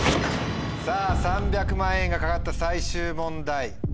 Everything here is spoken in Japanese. さぁ３００万円が懸かった最終問題。